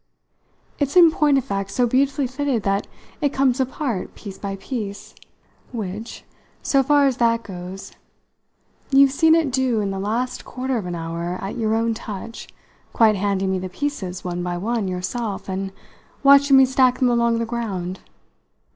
It's in point of fact so beautifully fitted that it comes apart piece by piece which, so far as that goes, you've seen it do in the last quarter of an hour at your own touch, quite handing me the pieces, one by one, yourself and watching me stack them along the ground.